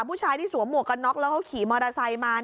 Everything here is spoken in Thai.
ผู้ชายที่สวมหวกกันน็อกแล้วเขาขี่มอเตอร์ไซค์มา